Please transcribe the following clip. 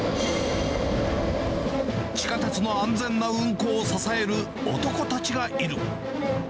地下鉄の安全な運行を支える男たちがいる。